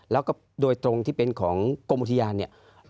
แล้วก็โดยตรงที่เป็นของกรมอุทยานเนี่ย